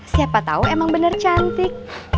siapa tahu emang bener cantik